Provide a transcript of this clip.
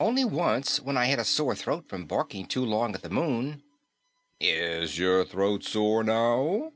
"Only once, when I had a sore throat from barking too long at the moon." "Is your throat sore now?"